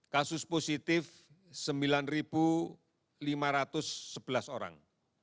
kasus positif sembilan lima ratus sebelas orang